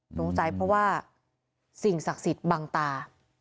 ลงใจเพราะว่าสิ่งศักดิ์สิทธิ์บังตา